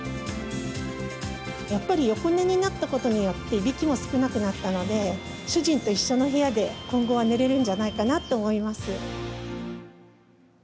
やっぱり横寝になったことによっていびきも少なくなったので主人と一緒の部屋で今後は寝られるんじゃないかなと思います。